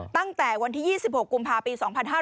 ตั้งแต่วันที่๒๖กุมภาคปี๒๕๕๙